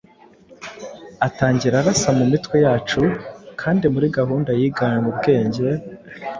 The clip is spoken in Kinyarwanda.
Atangira arasa mu mitwe yacu kandi muri gahunda yiganywe ubwenge,